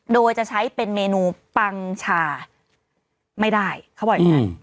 โดยจะใช้เป็นเมนูปังชาไม่ได้เขาบอกอย่างนั้น